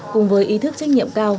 cùng với ý thức trách nhiệm cao